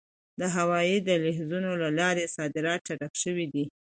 د هوایي دهلیزونو له لارې صادرات چټک شوي دي.